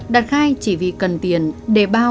đạt khai chỉ vì cần tiền để bao cho bạn gái